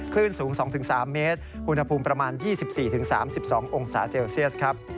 คลื่นสูง๒๓เมตรอุณหภูมิประมาณ๒๔๓๒องศาเซลเซียสครับ